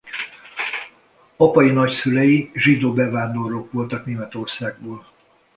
Apai nagyszülei zsidó bevándorlók voltak Németországból.